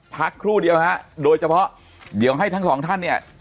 ครู่เดียวฮะโดยเฉพาะเดี๋ยวให้ทั้งสองท่านเนี่ย